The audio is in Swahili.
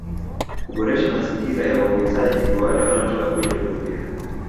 Kuboresha mazingira ya uwekezaji kwa wale wanaotaka kuja kuwekeza